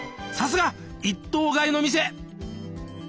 さすが一頭買いの店！